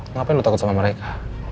ngapain lu takut sama mereka